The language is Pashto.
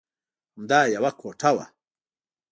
همدا یوه کوټه وه.